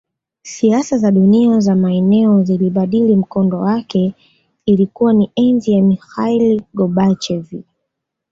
Siasa za dunia za maeneo zilibadili mkondo wake Ilikuwa ni enzi ya Mikhail Gorbachev